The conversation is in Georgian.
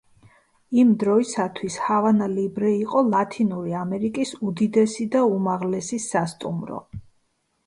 იმ დროისათვის ჰავანა ლიბრე იყო ლათინური ამერიკის უდიდესი და უმაღლესი სასტუმრო.